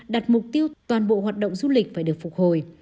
đặt mục tiêu toàn bộ hoạt động du lịch phải được phục hồi